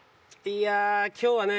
いや今日はね